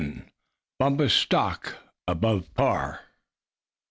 BUMPUS' STOCK ABOVE PAR.